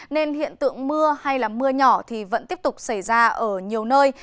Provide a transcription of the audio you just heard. nên hiện tượng mưa hay là mưa nhỏ thì vẫn tiếp tục xảy ra ở nhiều nơi